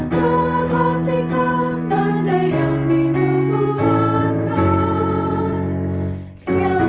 perhatikan tanda yang dilibatkan